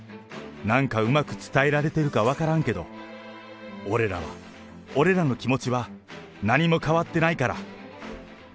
なんかうまく伝えられてるか分からんけど、俺らは、俺らの気持ちは何も変わってないから！